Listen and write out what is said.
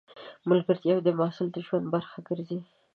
ملګرتیاوې د محصل د ژوند برخه ګرځي.